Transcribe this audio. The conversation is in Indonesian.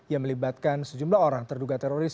yang melibatkan sejumlah orang terduga teroris